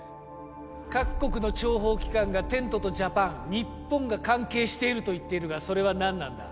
各国の諜報機関がテントとジャパン日本が関係していると言っているがそれは何なんだ？